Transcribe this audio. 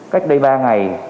cách đây ba ngày